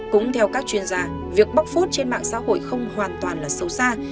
cũng theo các chuyên gia việc bóc phút trên mạng xã hội không hoàn toàn là sâu xa